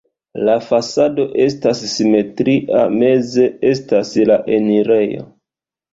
La fasado estas simetria, meze estas la enirejo.